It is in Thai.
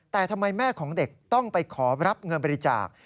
แต่ทำไมแม่ของเด็กต้องไปขอรับเงินบริจาค